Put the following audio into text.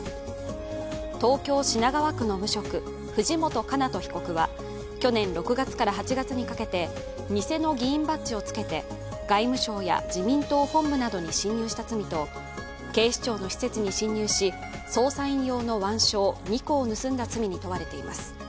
東京・品川区の無職、藤本叶人被告は去年６月から８月にかけて偽の議員バッジをつけて外務省や自民党本部などに侵入した罪と警視庁の施設に侵入し捜査員用の腕章２個を盗んだ罪に問われています。